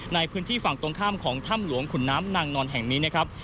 ในพื้นที่ฝั่งตรงข้ามของถ้ำหลวงขุนน้ำนางนอนแห่งนี้นะครับ